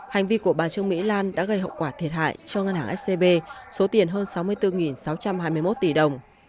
hành vi của bà trương mỹ lan đã gây hậu quả thiệt hại cho ngân hàng scb số tiền hơn sáu mươi bốn sáu trăm hai mươi một tỷ đồng